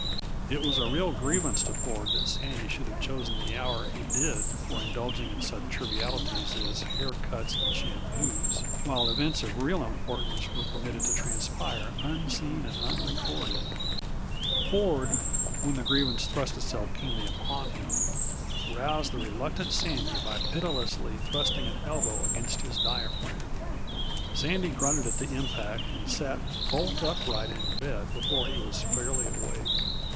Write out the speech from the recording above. It was a real grievance to Ford that Sandy should have chosen the hour he did for indulging in such trivialities as hair cuts and shampoos, while events of real importance were permitted to transpire unseen and unrecorded. Ford, when the grievance thrust itself keenly upon him, roused the recreant Sandy by pitilessly thrusting an elbow against his diaphragm. Sandy grunted at the impact and sat bolt upright in bed before he was fairly awake.